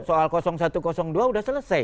soal satu dua sudah selesai